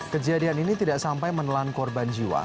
kejadian ini tidak sampai menelan korban jiwa